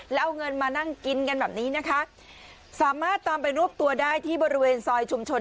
แล้วเอาเงินมานั่งกินกันแบบนี้นะคะสามารถตามไปรวบตัวได้ที่บริเวณซอยชุมชน